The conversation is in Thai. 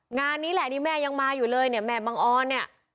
งานนี้แหละแม่ยังมาอยู่เลยแม่มังอ้อน